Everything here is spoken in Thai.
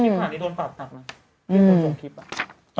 ป่านดินส่วนปรากฏมาเดี๋ยวพูดส่งคลิปอะ